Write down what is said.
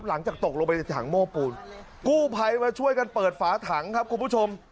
หลังจากตกลงไปในถังโม้ปูนกู้ภัยมาช่วยกันเปิดฝาถังครับคุณผู้ชม